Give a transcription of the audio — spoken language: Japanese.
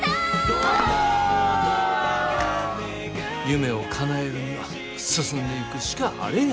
夢をかなえるには進んでいくしかあれへんねん。